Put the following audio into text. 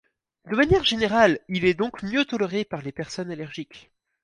De manière générale, il est donc mieux toléré par les personnes allergiques.